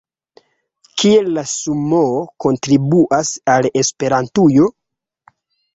Kiel la sumoo kontribuas al Esperantujo?